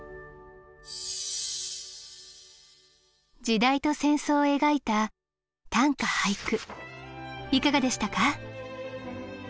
「時代と戦争」を描いた短歌・俳句いかがでしたか？